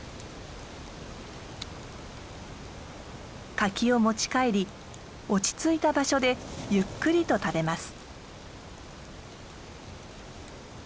柿を持ち帰り落ち着いた場所でゆっくりと食べます。